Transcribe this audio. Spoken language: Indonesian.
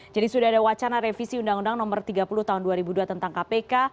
jadi sudah ada wacana revisi undang undang nomor tiga puluh tahun dua ribu dua tentang kpk